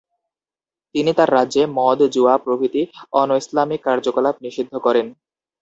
তিনি তার রাজ্যে মদ, জুয়া প্রভৃতি অনৈসলামিক কার্যকলাপ নিষিদ্ধ করেন।